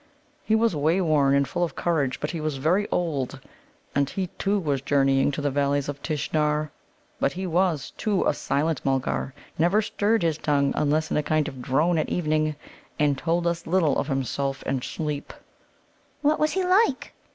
He was wayworn and full of courage, but he was very old. And he, too, was journeying to the Valleys of Tishnar. But he was, too, a silent Mulgar, never stirred his tongue unless in a kind of drone at evening, and told us little of himself except in sleep." "What was he like?"